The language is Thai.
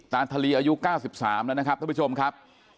ทะลีอายุ๙๓แล้วนะครับท่านผู้ชมครับ